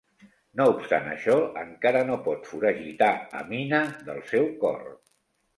No obstant això, encara no pot foragitar Amina del seu cor.